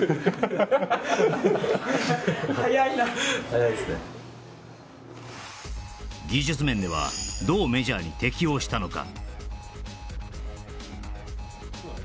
早いな技術面ではどうメジャーに適応したのか？